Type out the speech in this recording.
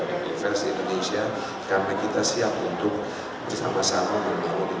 untuk invest di indonesia karena kita siap untuk bersama sama bergurau di indonesia